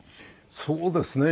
そうですね。